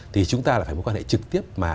thì chúng ta là một quan hệ trực tiếp mà